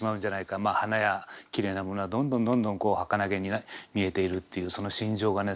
花やきれいなものはどんどんどんどんはかなげに見えているっていうその心情がね